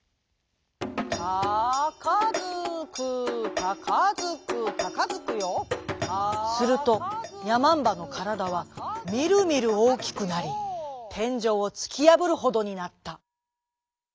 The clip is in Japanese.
「タカヅクタカヅクタカヅクヨ」するとやまんばのからだはみるみるおおきくなりてんじょうをつきやぶるほどになった。